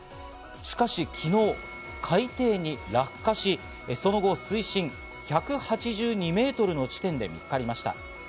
しかし昨日、海底に落下し、その後、水深１８２メートルの地点で見つかりました。